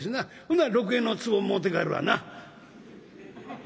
「ほな６円のつぼもろて帰るわな」。